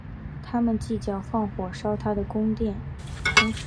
他们计划放火烧他的宫室。